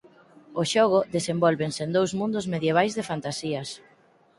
O xogo desenvólvese en dous mundos medievais de fantasías.